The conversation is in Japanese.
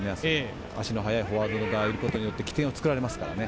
足の速いフォワードがいることによって起点が作られます。